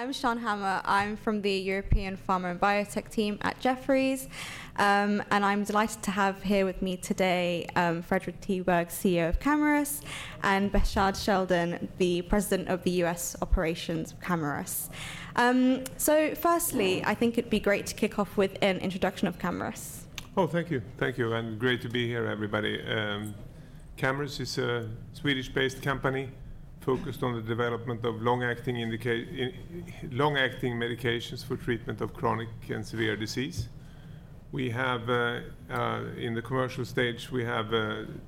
I'm Shan Hama. I'm from the European Pharma and Biotech team at Jefferies. I'm delighted to have here with me today Fredrik Tiberg, CEO of Camurus, and Behshad Sheldon, the President of U.S. Operations of Camurus. Firstly, I think it'd be great to kick off with an introduction of Camurus. Oh, thank you. Thank you. Great to be here, everybody. Camurus is a Swedish-based company focused on the development of long-acting medications for treatment of chronic and severe disease. In the commercial stage, we have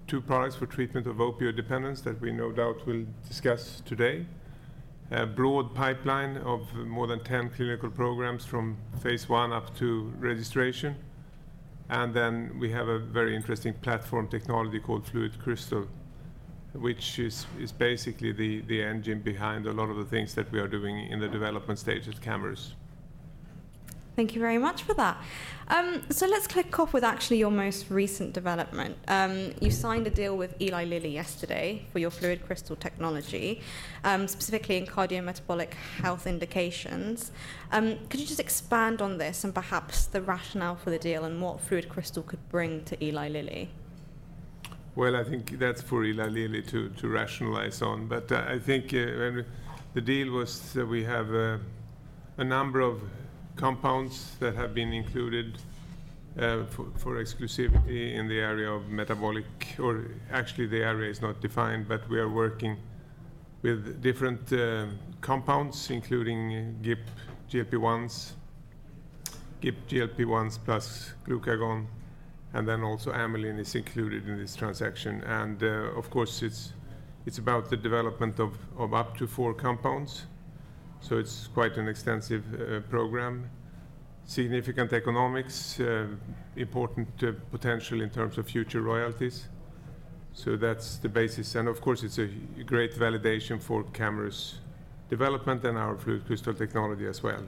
two products for treatment of opioid dependence that we no doubt will discuss today, a broad pipeline of more than 10 clinical programs from phase I up to registration. We have a very interesting platform technology called FluidCrystal, which is basically the engine behind a lot of the things that we are doing in the development stage at Camurus. Thank you very much for that. Let's kick off with actually your most recent development. You signed a deal with Eli Lilly yesterday for your FluidCrystal technology, specifically in cardiometabolic health indications. Could you just expand on this and perhaps the rationale for the deal and what FluidCrystal could bring to Eli Lilly? I think that's for Eli Lilly to rationalize on. I think the deal was that we have a number of compounds that have been included for exclusivity in the area of metabolic, or actually, the area is not defined, but we are working with different compounds, including GIP GLP-1s, GIP GLP-1s plus glucagon. Amylin is included in this transaction. Of course, it's about the development of up to four compounds. It is quite an extensive program, significant economics, important potential in terms of future royalties. That is the basis. Of course, it is a great validation for Camurus' development and our FluidCrystal technology as well.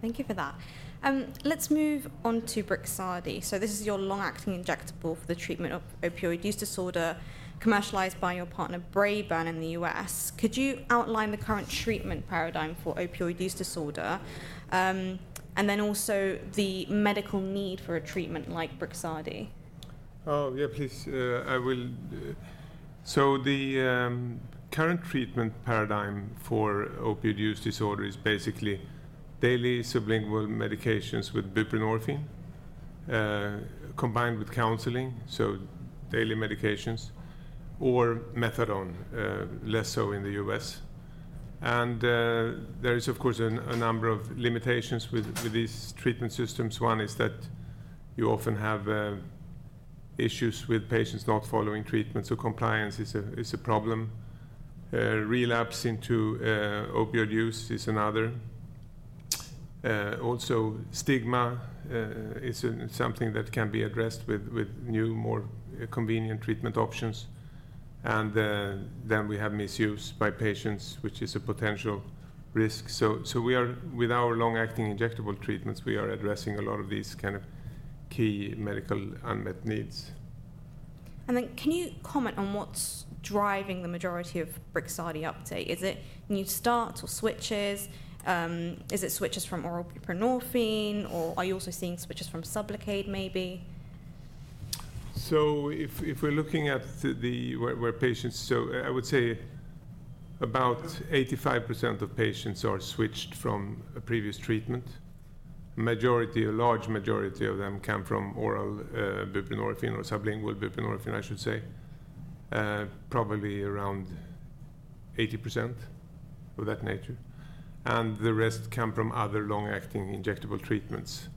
Thank you for that. Let's move on to Brixadi. This is your long-acting injectable for the treatment of opioid use disorder, commercialized by your partner Braeburn in the U.S. Could you outline the current treatment paradigm for opioid use disorder and then also the medical need for a treatment like Brixadi? Oh, yeah, please. The current treatment paradigm for opioid use disorder is basically daily sublingual medications with buprenorphine combined with counseling, so daily medications, or methadone, less so in the U.S. There is, of course, a number of limitations with these treatment systems. One is that you often have issues with patients not following treatment, so compliance is a problem. Relapse into opioid use is another. Also, stigma is something that can be addressed with new, more convenient treatment options. We have misuse by patients, which is a potential risk. With our long-acting injectable treatments, we are addressing a lot of these kind of key medical unmet needs. Can you comment on what's driving the majority of Brixadi uptake? Is it new starts or switches? Is it switches from oral buprenorphine, or are you also seeing switches from Sublocade, maybe? If we're looking at where patients—I would say about 85% of patients are switched from a previous treatment. A large majority of them come from oral buprenorphine or sublingual buprenorphine, I should say, probably around 80% of that nature. The rest come from other long-acting injectable treatments.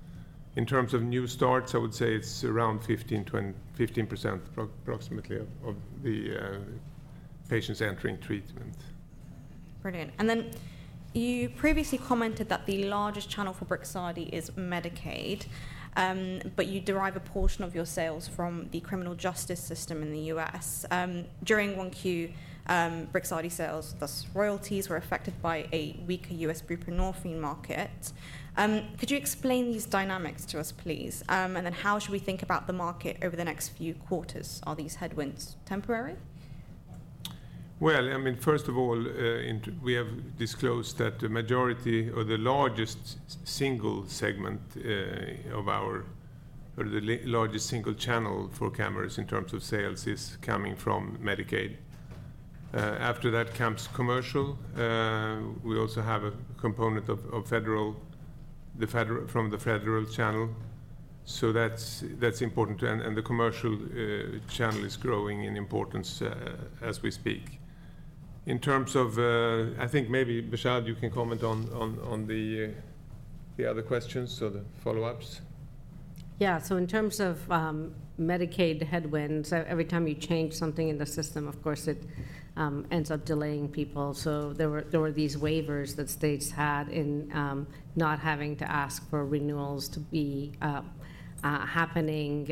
In terms of new starts, I would say it's around 15% of the patients entering treatment. Brilliant. You previously commented that the largest channel for Brixadi is Medicaid, but you derive a portion of your sales from the criminal justice system in the U.S. During Q1, Brixadi sales, thus royalties, were affected by a weaker U.S. buprenorphine market. Could you explain these dynamics to us, please? How should we think about the market over the next few quarters? Are these headwinds temporary? First of all, we have disclosed that the majority or the largest single segment of our, or the largest single channel for Camurus in terms of sales is coming from Medicaid. After that comes commercial. We also have a component of federal from the federal channel. That is important. The commercial channel is growing in importance as we speak. In terms of, I think maybe, Behshad, you can comment on the other questions, the follow-ups. Yeah. In terms of Medicaid headwinds, every time you change something in the system, of course, it ends up delaying people. There were these waivers that states had in not having to ask for renewals to be happening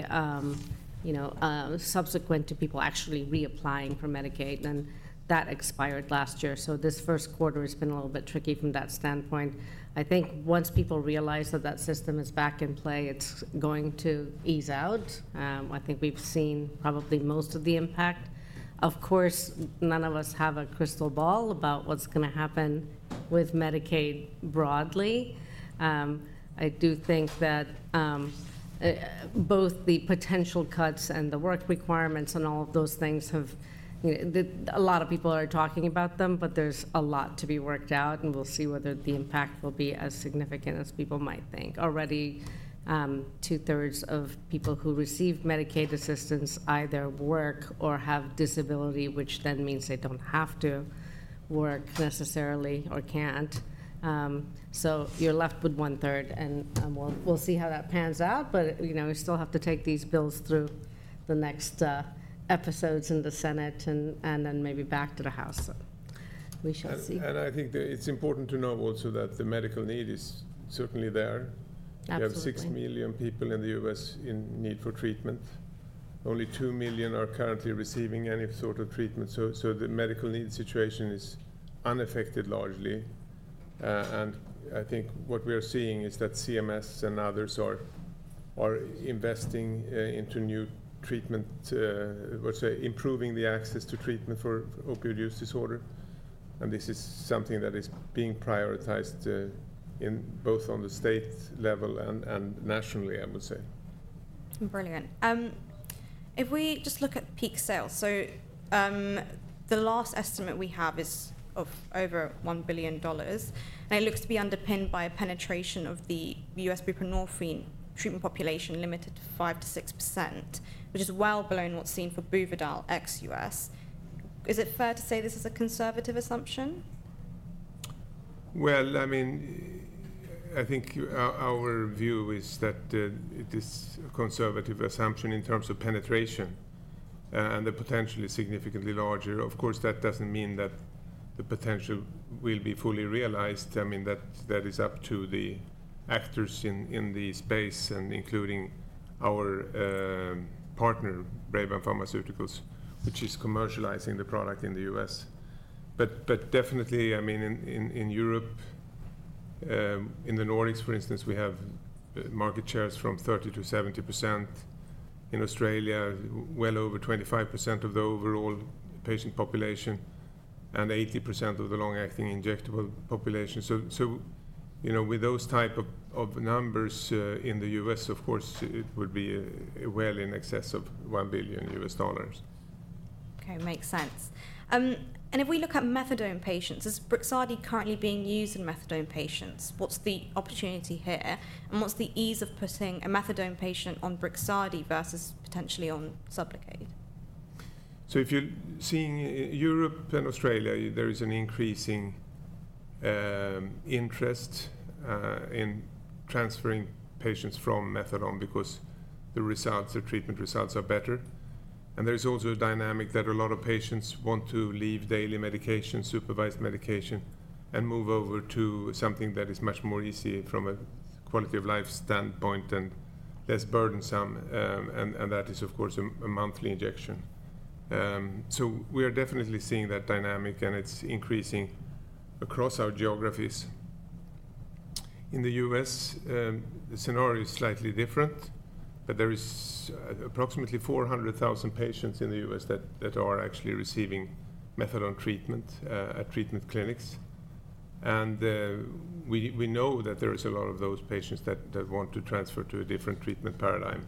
subsequent to people actually reapplying for Medicaid. That expired last year. This first quarter has been a little bit tricky from that standpoint. I think once people realize that that system is back in play, it is going to ease out. I think we have seen probably most of the impact. Of course, none of us have a crystal ball about what is going to happen with Medicaid broadly. I do think that both the potential cuts and the work requirements and all of those things have—a lot of people are talking about them, but there is a lot to be worked out. We will see whether the impact will be as significant as people might think. Already, 2/3 of people who receive Medicaid assistance either work or have disability, which then means they do not have to work necessarily or cannot. You are left with 1/3. We will see how that pans out. We still have to take these bills through the next episodes in the Senate and then maybe back to the House. We shall see. I think it's important to know also that the medical need is certainly there. We have 6 million people in the U.S. in need for treatment. Only 2 million are currently receiving any sort of treatment. The medical need situation is unaffected largely. I think what we are seeing is that CMS and others are investing into new treatment, let's say, improving the access to treatment for opioid use disorder. This is something that is being prioritized both on the state level and nationally, I would say. Brilliant. If we just look at peak sales, the last estimate we have is of over $1 billion. It looks to be underpinned by a penetration of the U.S. buprenorphine treatment population limited to 5%-6%, which is well below what is seen for Buvidal ex-U.S. Is it fair to say this is a conservative assumption? I mean, I think our view is that it is a conservative assumption in terms of penetration. The potential is significantly larger. Of course, that does not mean that the potential will be fully realized. I mean, that is up to the actors in the space, including our partner, Braeburn Pharmaceuticals, which is commercializing the product in the U.S. Definitely, I mean, in Europe, in the Nordics, for instance, we have market shares from 30% to 70%. In Australia, well over 25% of the overall patient population and 80% of the long-acting injectable population. With those types of numbers in the U.S., of course, it would be well in excess of $1 billion. Okay. Makes sense. If we look at methadone patients, is Brixadi currently being used in methadone patients? What's the opportunity here? What's the ease of putting a methadone patient on Brixadi versus potentially on Sublocade? If you're seeing Europe and Australia, there is an increasing interest in transferring patients from methadone because the results, the treatment results are better. There is also a dynamic that a lot of patients want to leave daily medication, supervised medication, and move over to something that is much more easy from a quality of life standpoint and less burdensome. That is, of course, a monthly injection. We are definitely seeing that dynamic, and it's increasing across our geographies. In the U.S., the scenario is slightly different. There are approximately 400,000 patients in the U.S. that are actually receiving methadone treatment at treatment clinics. We know that there are a lot of those patients that want to transfer to a different treatment paradigm.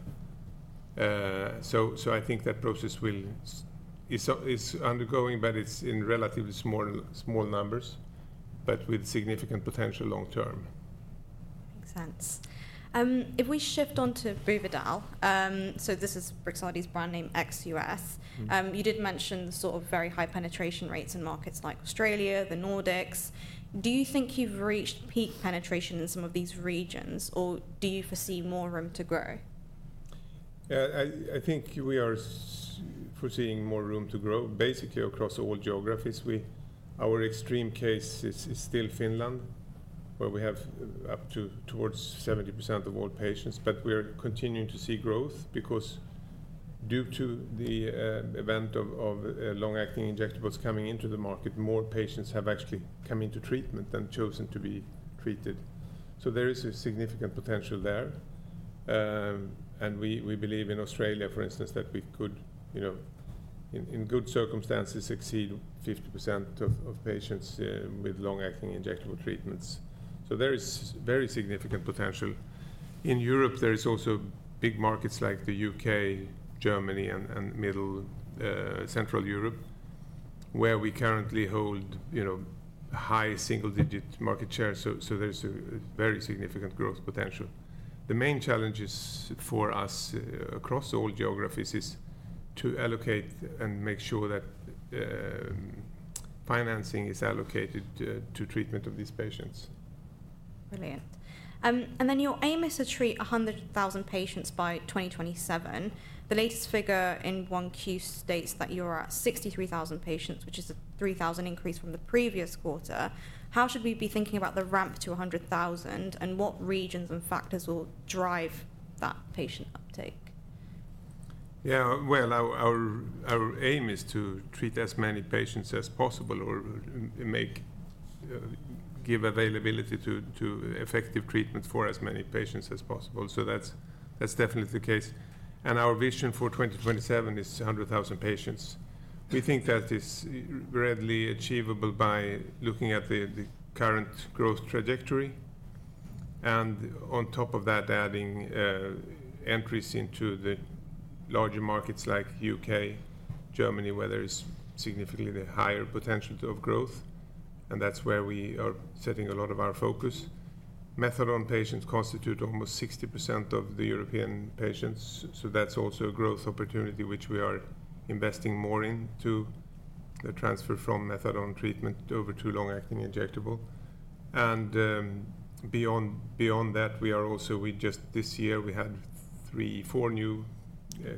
I think that process is undergoing, but it's in relatively small numbers, with significant potential long term. Makes sense. If we shift on to Buvidal, so this is Brixadi's brand name ex-U.S. You did mention sort of very high penetration rates in markets like Australia, the Nordics. Do you think you've reached peak penetration in some of these regions, or do you foresee more room to grow? I think we are foreseeing more room to grow, basically, across all geographies. Our extreme case is still Finland, where we have up to towards 70% of all patients. We are continuing to see growth because due to the event of long-acting injectables coming into the market, more patients have actually come into treatment and chosen to be treated. There is a significant potential there. We believe in Australia, for instance, that we could, in good circumstances, exceed 50% of patients with long-acting injectable treatments. There is very significant potential. In Europe, there are also big markets like the U.K., Germany, and Central Europe, where we currently hold high single-digit market share. There is a very significant growth potential. The main challenge for us across all geographies is to allocate and make sure that financing is allocated to treatment of these patients. Brilliant. Your aim is to treat 100,000 patients by 2027. The latest figure in Q1 states that you're at 63,000 patients, which is a 3,000 increase from the previous quarter. How should we be thinking about the ramp to 100,000, and what regions and factors will drive that patient uptake? Yeah. Our aim is to treat as many patients as possible or give availability to effective treatment for as many patients as possible. That is definitely the case. Our vision for 2027 is 100,000 patients. We think that is readily achievable by looking at the current growth trajectory. On top of that, adding entries into the larger markets like the U.K., Germany, where there is significantly higher potential of growth. That is where we are setting a lot of our focus. Methadone patients constitute almost 60% of the European patients. That is also a growth opportunity, which we are investing more into, the transfer from methadone treatment over to long-acting injectable. Beyond that, just this year, we had four new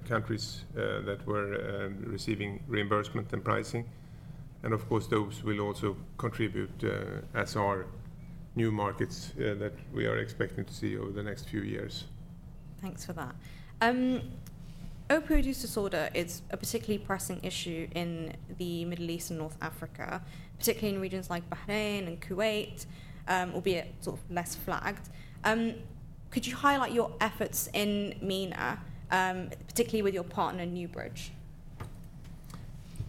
countries that were receiving reimbursement and pricing. Those will also contribute, as are new markets that we are expecting to see over the next few years. Thanks for that. Opioid use disorder is a particularly pressing issue in the Middle East and North Africa, particularly in regions like Bahrain and Kuwait, albeit sort of less flagged. Could you highlight your efforts in MENA, particularly with your partner, NewBridge?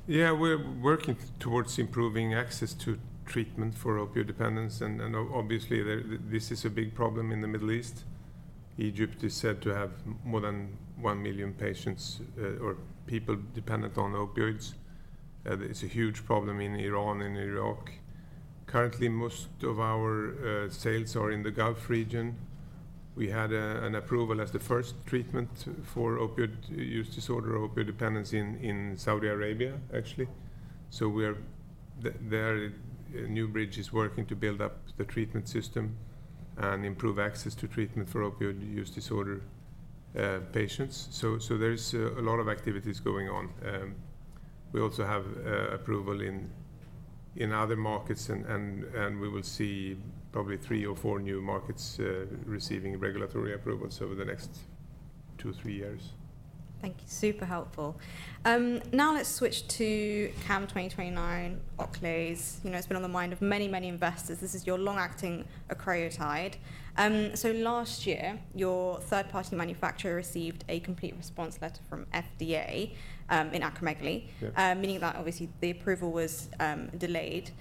Yeah. We're working towards improving access to treatment for opioid dependence. Obviously, this is a big problem in the Middle East. Egypt is said to have more than 1 million patients or people dependent on opioids. It's a huge problem in Iran and Iraq. Currently, most of our sales are in the Gulf region. We had an approval as the first treatment for opioid use disorder, opioid dependence in Saudi Arabia, actually. There, NewBridge is working to build up the treatment system and improve access to treatment for opioid use disorder patients. There's a lot of activities going on. We also have approval in other markets. We will see probably three or four new markets receiving regulatory approvals over the next two to three years. Thank you. Super helpful. Now let's switch to CAM2029, Oczyesa. It's been on the mind of many, many investors. This is your long-acting octreotide. So last year, your third-party manufacturer received a complete response letter from FDA in acromegaly, meaning that, obviously, the approval was delayed.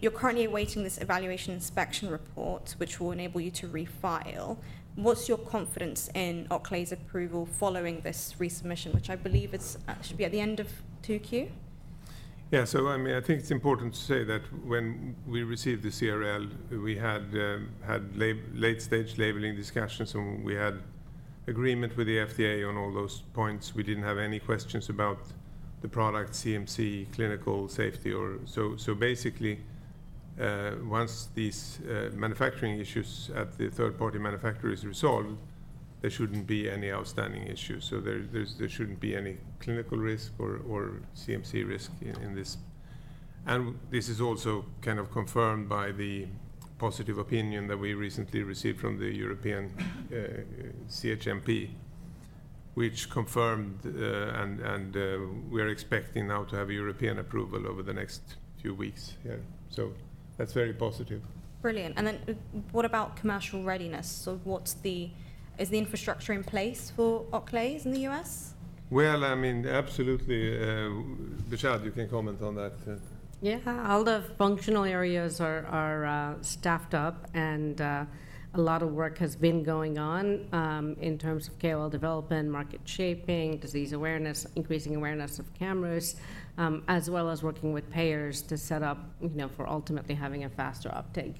You're currently awaiting this evaluation inspection report, which will enable you to refile. What's your confidence in Oczyesa's approval following this resubmission, which I believe should be at the end of 2Q? Yeah. I mean, I think it's important to say that when we received the CRL, we had late-stage labeling discussions. We had agreement with the FDA on all those points. We didn't have any questions about the product, CMC, clinical safety. Basically, once these manufacturing issues at the third-party manufacturer are resolved, there shouldn't be any outstanding issues. There shouldn't be any clinical risk or CMC risk in this. This is also kind of confirmed by the positive opinion that we recently received from the European CHMP, which confirmed. We are expecting now to have European approval over the next few weeks. That's very positive. Brilliant. What about commercial readiness? Is the infrastructure in place for Camurus in the U.S.? I mean, absolutely. Behshad, you can comment on that. Yeah. All the functional areas are staffed up. A lot of work has been going on in terms of KOL development, market shaping, disease awareness, increasing awareness of Camurus, as well as working with payers to set up for ultimately having a faster uptake.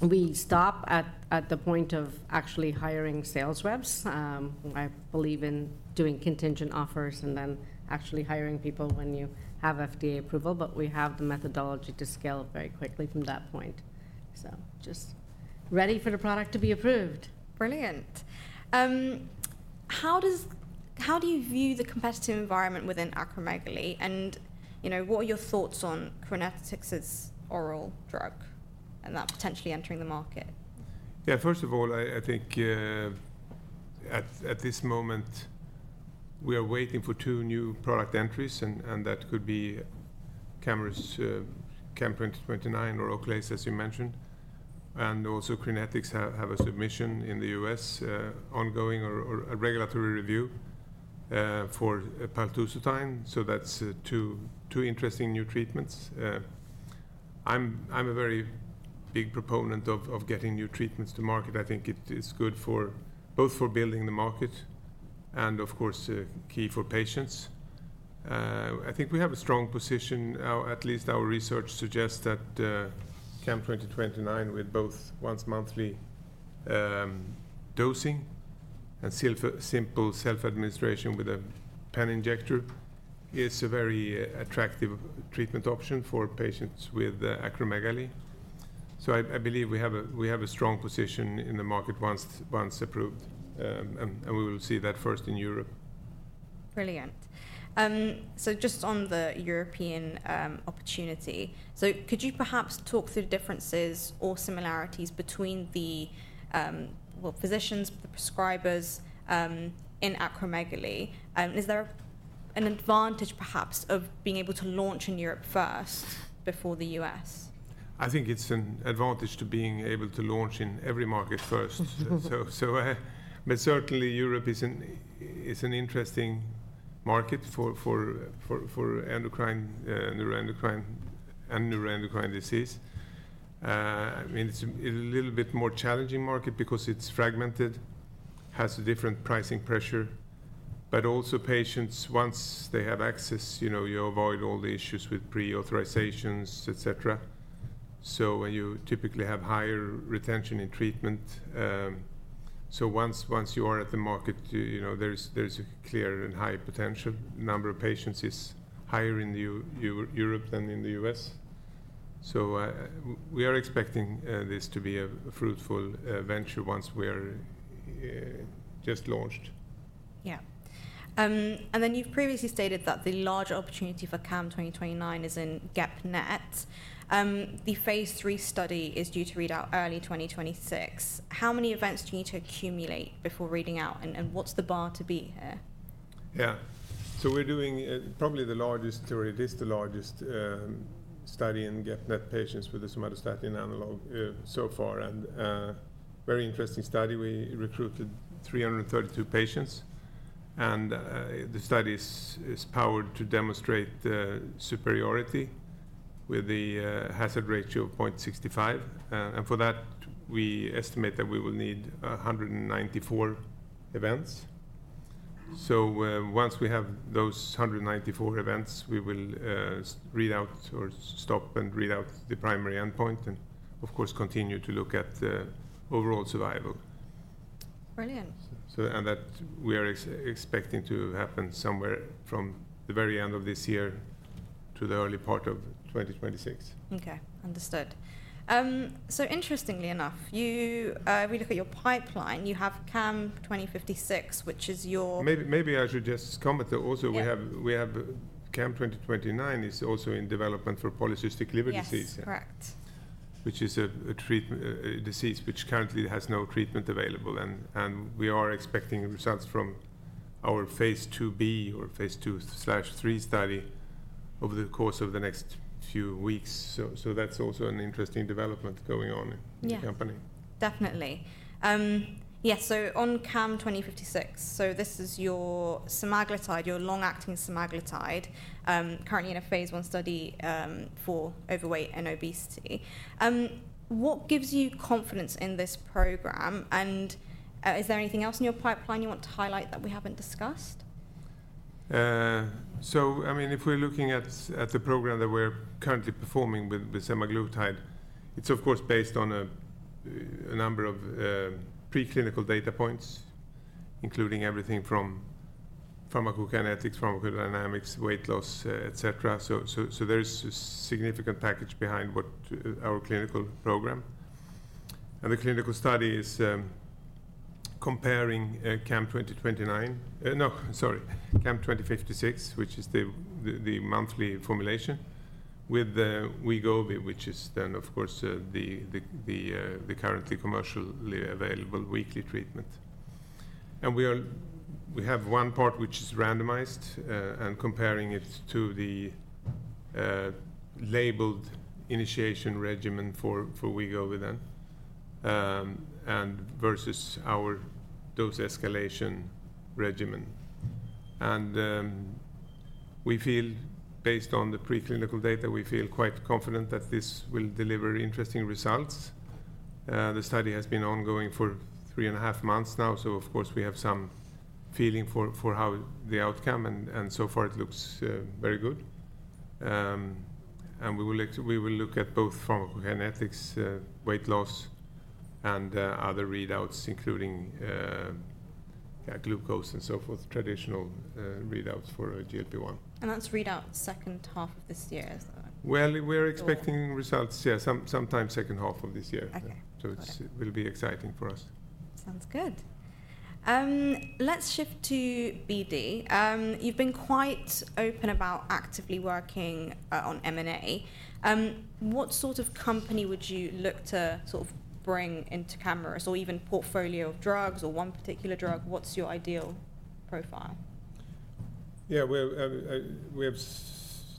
We stop at the point of actually hiring sales reps. I believe in doing contingent offers and then actually hiring people when you have FDA approval. We have the methodology to scale very quickly from that point. Just ready for the product to be approved. Brilliant. How do you view the competitive environment within acromegaly? What are your thoughts on Crinetics' oral drug and that potentially entering the market? Yeah. First of all, I think at this moment, we are waiting for two new product entries. That could be Camurus, CAM2029 or Oczyesa, as you mentioned. Also, Crinetics have a submission in the U.S. ongoing or a regulatory review for paltusotine. That is two interesting new treatments. I'm a very big proponent of getting new treatments to market. I think it is good both for building the market and, of course, key for patients. I think we have a strong position. At least our research suggests that CAM2029, with both once-monthly dosing and simple self-administration with a pen injector, is a very attractive treatment option for patients with acromegaly. I believe we have a strong position in the market once approved. We will see that first in Europe. Brilliant. Just on the European opportunity, could you perhaps talk through differences or similarities between the physicians, the prescribers in acromegaly? Is there an advantage, perhaps, of being able to launch in Europe first before the U.S.? I think it's an advantage to being able to launch in every market first. Certainly, Europe is an interesting market for neuroendocrine disease. I mean, it's a little bit more challenging market because it's fragmented, has a different pricing pressure. Also, patients, once they have access, you avoid all the issues with pre-authorizations, et cetera. You typically have higher retention in treatment. Once you are at the market, there's a clear and high potential. The number of patients is higher in Europe than in the U.S. We are expecting this to be a fruitful venture once we are just launched. Yeah. You previously stated that the large opportunity for CAM2029 is in GEP-NET. The phase III study is due to read out early 2026. How many events do you need to accumulate before reading out? What's the bar to be here? Yeah. We are doing probably the largest, or it is the largest, study in GEP-NET patients with the somatostatin analog so far. Very interesting study. We recruited 332 patients. The study is powered to demonstrate superiority with the hazard ratio of 0.65. For that, we estimate that we will need 194 events. Once we have those 194 events, we will stop and read out the primary endpoint and, of course, continue to look at overall survival. Brilliant. We are expecting that to happen somewhere from the very end of this year to the early part of 2026. OK. Understood. Interestingly enough, if we look at your pipeline, you have CAM2056, which is your, Maybe I should just comment that also we have CAM2029 is also in development for polycystic liver disease. Yes. Correct. Which is a disease which currently has no treatment available. We are expecting results from our phase II-B or phase II/III study over the course of the next few weeks. That is also an interesting development going on in the company. Yeah. Definitely. Yeah. On CAM2056, this is your long-acting semaglutide, currently in a phase I study for overweight and obesity. What gives you confidence in this program? Is there anything else in your pipeline you want to highlight that we have not discussed? I mean, if we're looking at the program that we're currently performing with semaglutide, it's, of course, based on a number of preclinical data points, including everything from pharmacokinetics, pharmacodynamics, weight loss, et cetera. There is a significant package behind our clinical program. The clinical study is comparing CAM2056, which is the monthly formulation, with Wegovy, which is, of course, the currently commercially available weekly treatment. We have one part which is randomized and comparing it to the labeled initiation regimen for Wegovy versus our dose escalation regimen. We feel, based on the preclinical data, we feel quite confident that this will deliver interesting results. The study has been ongoing for three and a half months now. We have some feeling for how the outcome is. So far, it looks very good. We will look at both pharmacokinetics, weight loss, and other readouts, including glucose and so forth, traditional readouts for GLP-1. That's readout second half of this year, is that right? We're expecting results, yeah, sometime second half of this year. So it will be exciting for us. Sounds good. Let's shift to BD. You've been quite open about actively working on M&A. What sort of company would you look to sort of bring into Camurus or even portfolio of drugs or one particular drug? What's your ideal profile? Yeah. We have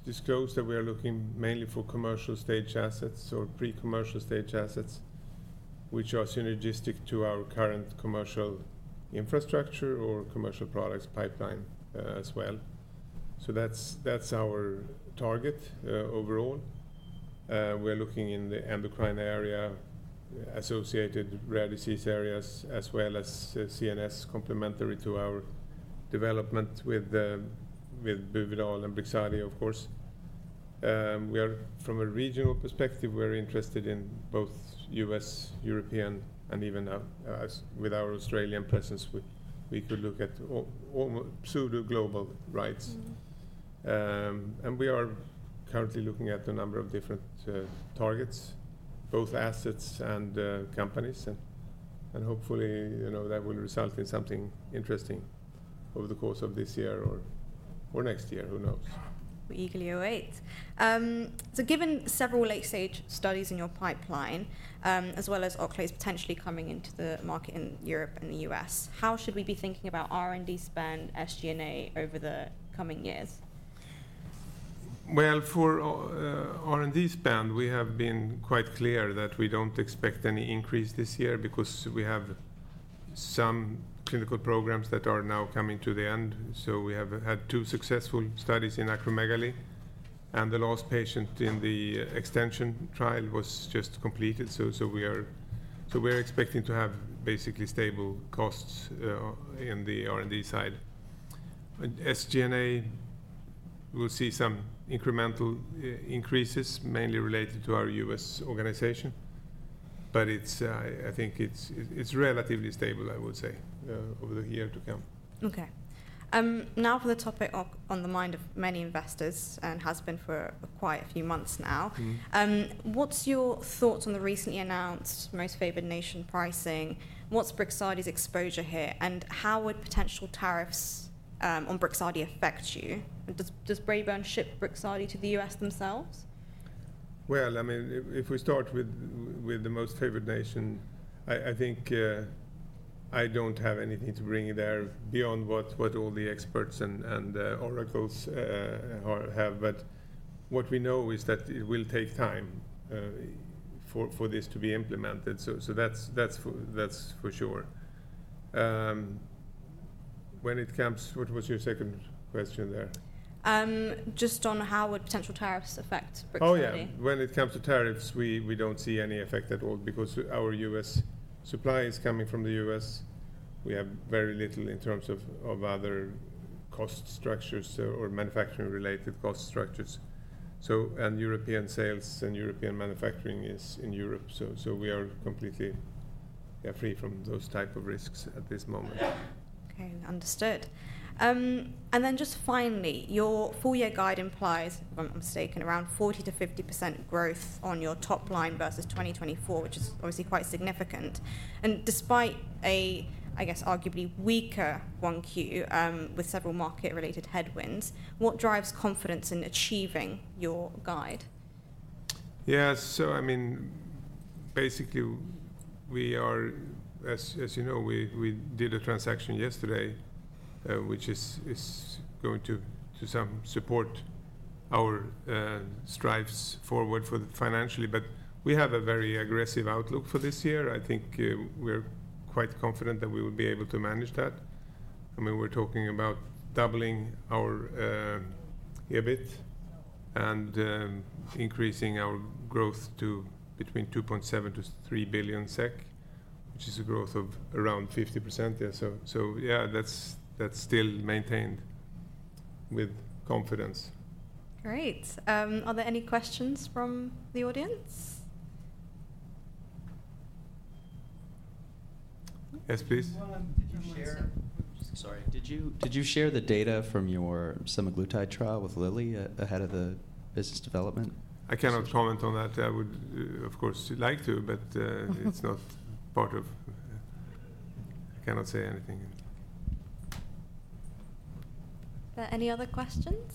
disclosed that we are looking mainly for commercial stage assets or pre-commercial stage assets, which are synergistic to our current commercial infrastructure or commercial products pipeline as well. That is our target overall. We are looking in the endocrine area, associated rare disease areas, as well as CNS complementary to our development with Buvidal and Brixadi, of course. From a regional perspective, we are interested in both U.S., European, and even with our Australian presence, we could look at pseudo-global rights. We are currently looking at a number of different targets, both assets and companies. Hopefully, that will result in something interesting over the course of this year or next year, who knows? We're eagerly await. Given several late-stage studies in your pipeline, as well as Oczyesa potentially coming into the market in Europe and the U.S., how should we be thinking about R&D spend, SG&A over the coming years? For R&D spend, we have been quite clear that we do not expect any increase this year because we have some clinical programs that are now coming to the end. We have had two successful studies in acromegaly. The last patient in the extension trial was just completed. We are expecting to have basically stable costs in the R&D side. SG&A, we will see some incremental increases, mainly related to our U.S. organization. I think it is relatively stable, I would say, over the year to come. OK. Now for the topic on the mind of many investors and has been for quite a few months now. What's your thoughts on the recently announced most favored nation pricing? What's Brixadi's exposure here? And how would potential tariffs on Brixadi affect you? Does Braeburn ship Brixadi to the U.S. themselves? I mean, if we start with the most favored nation, I think I do not have anything to bring there beyond what all the experts and oracles have. What we know is that it will take time for this to be implemented. That is for sure. When it comes—what was your second question there? Just on how would potential tariffs affect Brixadi? Oh, yeah. When it comes to tariffs, we do not see any effect at all because our U.S. supply is coming from the U.S. We have very little in terms of other cost structures or manufacturing-related cost structures. European sales and European manufacturing is in Europe. We are completely free from those type of risks at this moment. OK. Understood. Then just finally, your four-year guide implies, if I'm not mistaken, around 40%-50% growth on your top line versus 2024, which is obviously quite significant. Despite a, I guess, arguably weaker 1Q with several market-related headwinds, what drives confidence in achieving your guide? Yeah. So I mean, basically, as you know, we did a transaction yesterday, which is going to support our strides forward financially. We have a very aggressive outlook for this year. I think we're quite confident that we will be able to manage that. I mean, we're talking about doubling our EBIT and increasing our growth to between 2.7 billion-3 billion SEK, which is a growth of around 50%. Yeah, that's still maintained with confidence. Great. Are there any questions from the audience? Yes, please. Did you share—sorry. Did you share the data from your semaglutide trial with Lilly ahead of the business development? I cannot comment on that. I would, of course, like to, but it's not part of—I cannot say anything. Any other questions?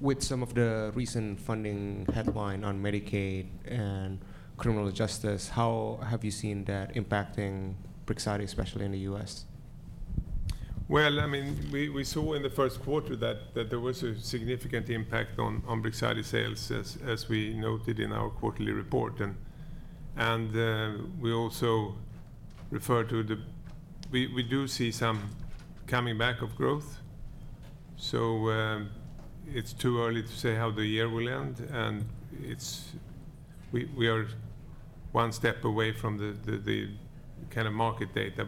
With some of the recent funding headline on Medicaid and criminal justice, how have you seen that impacting Brixadi, especially in the U.S.? I mean, we saw in the first quarter that there was a significant impact on Brixadi sales, as we noted in our quarterly report. We also refer to the—we do see some coming back of growth. It is too early to say how the year will end. We are one step away from the kind of market data.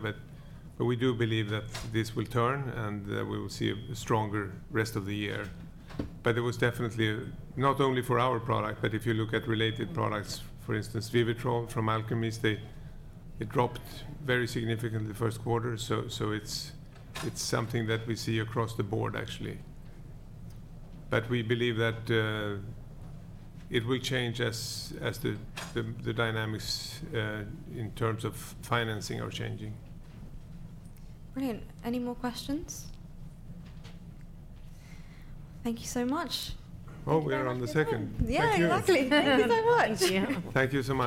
We do believe that this will turn, and we will see a stronger rest of the year. It was definitely not only for our product, but if you look at related products, for instance, Vivitrol from Alkermes, it dropped very significantly first quarter. It is something that we see across the board, actually. We believe that it will change as the dynamics in terms of financing are changing. Brilliant. Any more questions? Thank you so much. Oh, we are on the second. Yeah. Exactly. Thank you so much. Thank you so much.